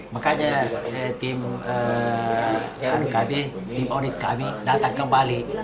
makanya tim audit kami datang kembali